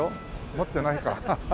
持ってないかハハ！